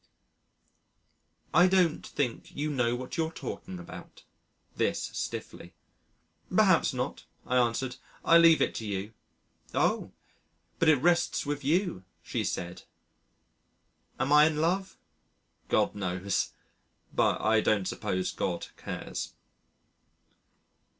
"I don't think you know what you're talking about" this stiffly. "Perhaps not," I answered. "I leave it to you." "Oh! but it rests with you," she said. Am I in love? God knows but I don't suppose God cares.